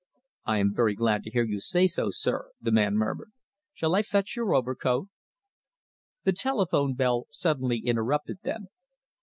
"I am very glad to hear you say so, sir," the man murmured. "Shall I fetch your overcoat?" The telephone bell suddenly interrupted them.